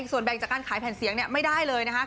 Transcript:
ส่วนแบ่งจากการขายแผ่นเสียงไม่ได้เลยนะครับ